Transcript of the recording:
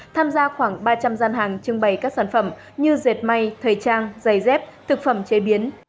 tham gia khoảng ba trăm linh gian hàng trưng bày các sản phẩm như dệt may thời trang giày dép thực phẩm chế biến